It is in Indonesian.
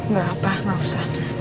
gak apa gak usah